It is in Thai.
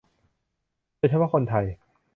โดยเฉพาะคนไทย